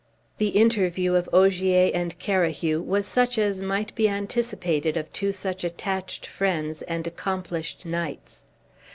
The interview of Ogier and Carahue was such as might be anticipated of two such attached friends and accomplished knights.